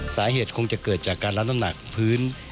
สาเหตุคงจะเกิดจากการรับน้ำหนักพื้น